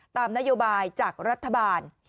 ตามนโยบายจากรัฐบาล